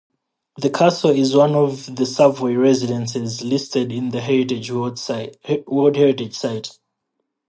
The castle is one of the Savoy Residences listed as a World Heritage Site.